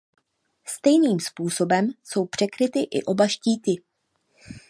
Stejným způsobem jsou překryty i oba štíty.